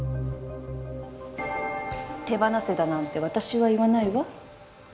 手放せだなんて私は言わないわ